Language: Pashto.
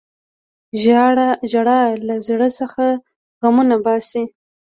• ژړا له زړه څخه غمونه باسي.